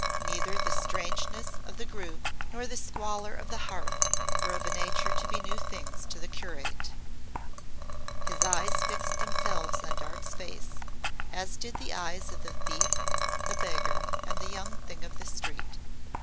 Neither the strangeness of the group nor the squalor of the hearth were of a nature to be new things to the curate. His eyes fixed themselves on Dart's face, as did the eyes of the thief, the beggar, and the young thing of the street.